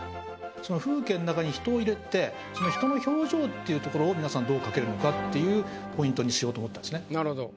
風景の中に人を入れて人の表情っていうところを皆さんどう描けるのかっていうポイントにしようと思ったんですね。